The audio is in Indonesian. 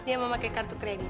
dia memakai kartu kredit